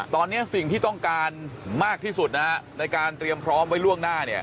ตอนนี้สิ่งที่ต้องการมากที่สุดในการเตรียมพร้อมไว้ล่วงหน้า